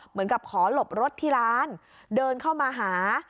เหมือนกับขอหลบรถที่ร้านเดินเข้ามาหา